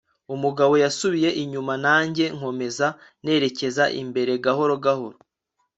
umugabo yasubiye inyuma nanjye nkomeza nerekeza imbere gahoro gahoro